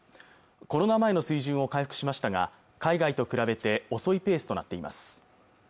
コロナ前の水準を回復しましたが海外と比べて遅いペースとなっています